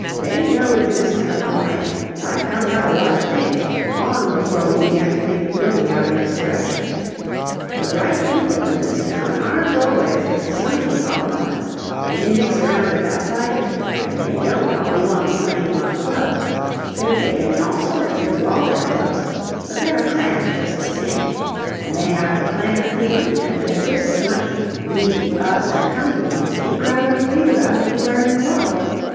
"They know it in this town, all right! I found out a lot of things, long before we began to think of building out in this direction. The right people in this town aren't always the society column ones, and they mix around with outsiders, and they don't all belong to any one club they're taken in all sorts into all their clubs but they're a clan, just the same; and they have the clan feeling and they're just as much We, Us and Company as any crowd you read about anywhere in the world.